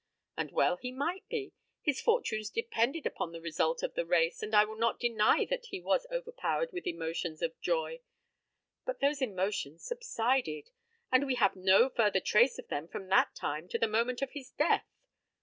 And well he might be. His fortunes depended upon the result of the race, and I will not deny that he was overpowered with emotions of joy. But those emotions subsided, and we have no further trace of them from that time to the moment of his death.